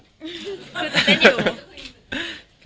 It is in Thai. ตื่นเต้นอยู่